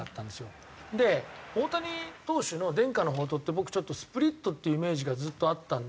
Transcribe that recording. で大谷投手の伝家の宝刀って僕スプリットっていうイメージがずっとあったんで。